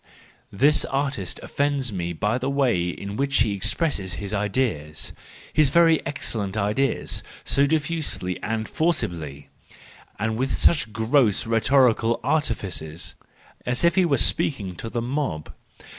—This artist offends me by the way in which he expresses his ideas, his very excellent ideas: so diffusely and forcibly, and with such gross rhetorical artifices, as if he were speaking to the mob.